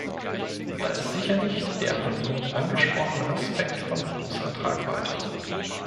Da ist sicherlich der von Ihnen angesprochene Aspekt von großer Tragweite.